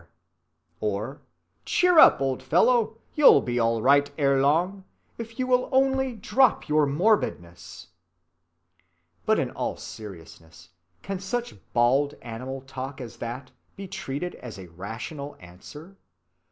or "Cheer up, old fellow, you'll be all right erelong, if you will only drop your morbidness!" But in all seriousness, can such bald animal talk as that be treated as a rational answer?